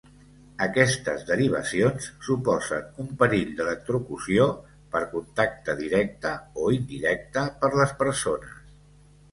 Aquestes derivacions suposen un perill d'electrocució per contacte directe o indirecte per les persones.